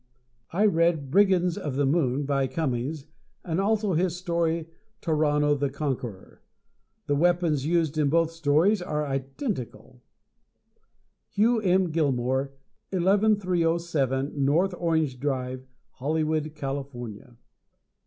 I read "Brigands of the Moon," by Cummings, and also his story, "Tarrano the Conqueror." The weapons used in both stories are identical Hugh M. Gilmore, 11307 N. Orange Drive, Hollywood, California.